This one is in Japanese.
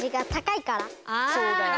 そうだよね。